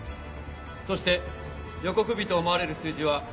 そして予告日と思われる数字は６１１。